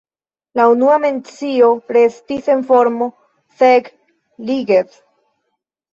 La unua mencio restis en formo "Zeg-Ligeth".